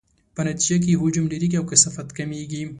په نتیجې کې یې حجم ډیریږي او کثافت کمیږي.